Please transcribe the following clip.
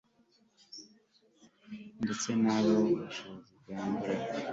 ndetse n aho ubushobozi bwabura